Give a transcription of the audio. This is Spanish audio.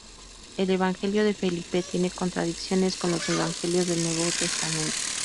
El evangelio de Felipe tiene contradicciones con los evangelios del nuevo testamento.